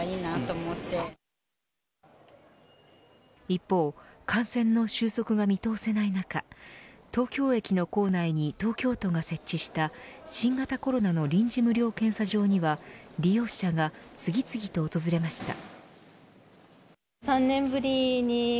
一方、感染の収束が見通せない中東京駅の構内に東京都が設置した新型コロナの臨時無料検査場には利用者が次々と訪れました。